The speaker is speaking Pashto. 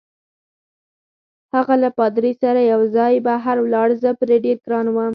هغه له پادري سره یوځای بهر ولاړ، زه پرې ډېر ګران وم.